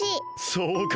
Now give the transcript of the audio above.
そうか！